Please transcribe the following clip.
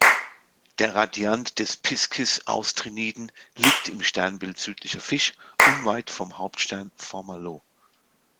Der Radiant der Piscis-Austriniden liegt im Sternbild Südlicher Fisch, unweit vom Hauptstern Fomalhaut.